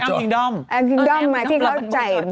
ช่วยเก็บช่อยร้องเป็นเพลงอ่ะนุกไม่ออกนึกไม่ออก